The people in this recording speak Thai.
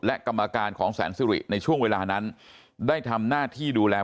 และกรรมการของแสนสิริในช่วงเวลานั้นได้ทำหน้าที่ดูแล